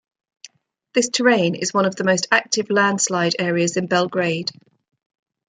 This terrain is one of the most active landslide areas in Belgrade.